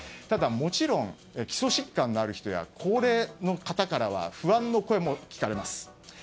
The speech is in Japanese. ただ、もちろん基礎疾患がある人や高齢の方からは不安の声も聞かれます。